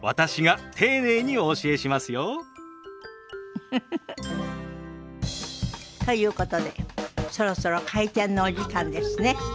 ウフフフ。ということでそろそろ開店のお時間ですね。